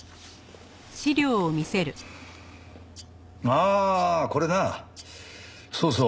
ああこれなそうそう。